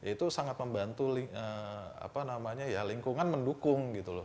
itu sangat membantu lingkungan mendukung gitu loh